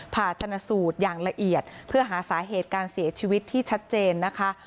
ผ่าชนะสูตรอย่างละเอียดเพื่อหาสาเหตุการเสียชีวิตที่ชัดเจนนะคะ